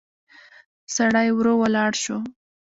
سړی ورو ولاړ شو.